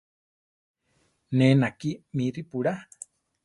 Ne nakí mí ripurá.